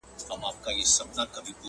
چي حاضره يې شېردل ته بوډۍ مور کړه،